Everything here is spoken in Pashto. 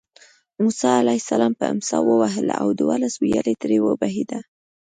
موسی علیه السلام په امسا ووهله او دولس ویالې ترې وبهېدې.